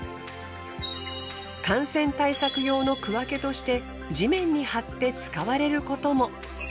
感染対策用の区分けとして地面に貼って使われることも。